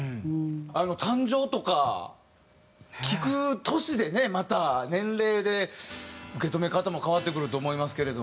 『誕生』とか聴く年でねまた年齢で受け止め方も変わってくると思いますけれども。